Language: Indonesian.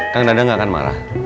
kang dada nggak akan marah